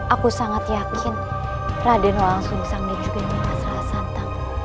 aku sangat yakin raden langsung sangni juga ini masalah santang